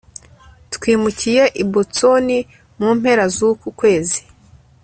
twimukiye i boston mu mpera zuku kwezi